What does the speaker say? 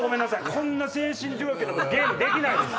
こんな精神状況でできないです。